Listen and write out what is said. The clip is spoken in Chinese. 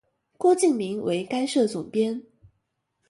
郭敬明为该社总编。